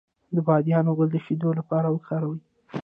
د بادیان ګل د شیدو لپاره وکاروئ